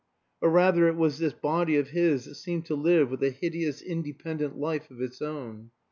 Or rather it was this body of his that seemed to live with a hideous independent life of its own.